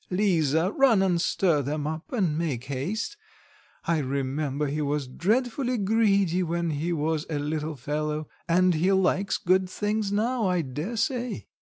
Lisa, run and stir them up, and make haste. I remember he was dreadfully greedy when he was a little fellow, and he likes good things now, I daresay."